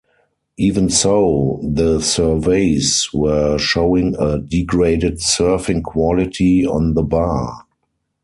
Even so, the surveys were showing a degraded surfing quality on the Bar.